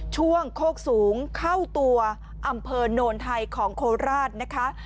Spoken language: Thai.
โคกสูงเข้าตัวอำเภอโนนไทยของโคราชนะคะ